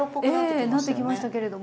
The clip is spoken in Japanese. ええなってきましたけれども。